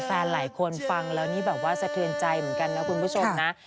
แฟนหลายคนฟังแล้วนี่แบบว่าสะเทือนใจเหมือนกันนะคุณผู้ชมนะ